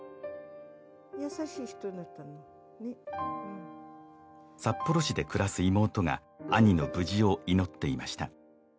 優しい人だったの札幌市で暮らす妹が兄の無事を祈っていました